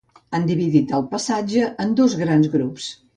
Han dividit el passatge en dos grans grups.